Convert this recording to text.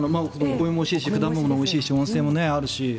お米もおいしいし果物もおいしいし温泉もあるし。